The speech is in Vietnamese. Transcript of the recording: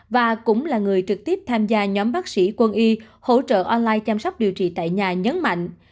và cũng là người trực tiếp tham gia nhóm bác sĩ quân y hỗ trợ online chăm sóc điều trị tại nhà nhấn mạnh